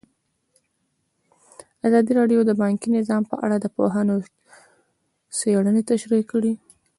ازادي راډیو د بانکي نظام په اړه د پوهانو څېړنې تشریح کړې.